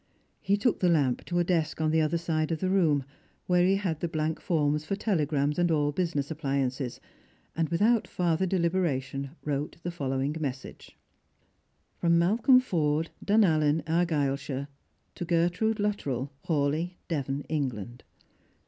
He took the lamp to a desk on the other side of the room, where he had the blank forms for telegrams and all business appUances, and, without farther deliberation, wrote the follow ing message: " Malcolm Forde, Dunallen, Argyleshire, to Gertrude Luttrell, Hawleigh, Devon, England.